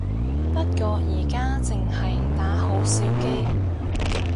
不過而家淨係打好少機